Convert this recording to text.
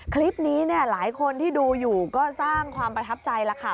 คลิปนี้เนี่ยหลายคนที่ดูอยู่ก็สร้างความประทับใจแล้วค่ะ